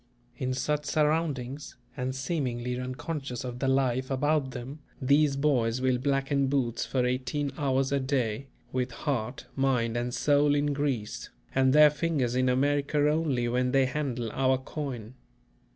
In such surroundings, and seemingly unconscious of the life about them, these boys will blacken boots for eighteen hours a day, with heart, mind and soul in Greece; and their fingers in America only when they handle our coin.